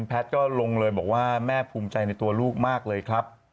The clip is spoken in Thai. แพทย์ก็ลงเลยบอกว่าแม่ภูมิใจในตัวลูกมากเลยครับ